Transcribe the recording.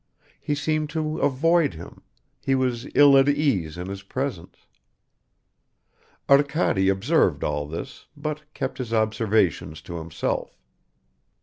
. he seemed to avoid him, he was ill at ease in his presence ... Arkady observed all this, but kept his observations to himself.